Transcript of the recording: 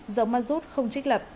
dầu ma rút không trích lập